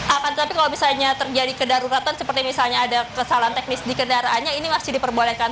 akan tetapi kalau misalnya terjadi kedaruratan seperti misalnya ada kesalahan teknis di kendaraannya ini masih diperbolehkan